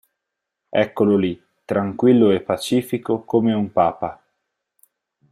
Eccolo lì, tranquillo e pacifico come un papa!